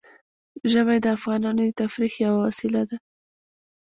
ژمی د افغانانو د تفریح یوه وسیله ده.